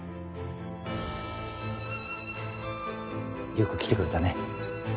よく来てくれたね。